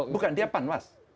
bukan dia panwas